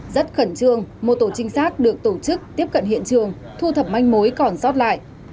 rất khẩn trương một tổ trinh sát được tổ chức tiếp cận hiện trường thu thập manh mối còn sót lại